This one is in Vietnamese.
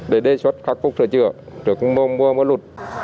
để đề xuất khắc phục sửa chữa của bão lũ